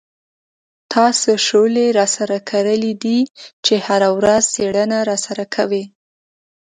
تا څه شولې را سره کرلې دي چې هره ورځ څېړنه را سره کوې.